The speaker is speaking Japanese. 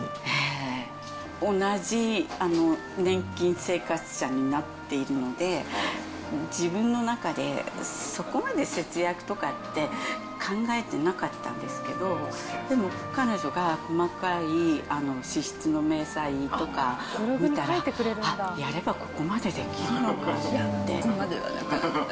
同じ年金生活者になっているので、自分の中でそこまで節約とかって考えてなかったんですけど、でも彼女が細かい支出の明細とかを見たら、あっ、やればここまでできるのかしらって。